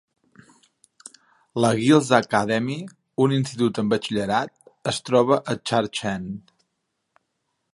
La Giles Academy, un institut amb batxillerat, es troba a Church End.